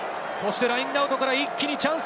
ラインアウトから一気にチャンス。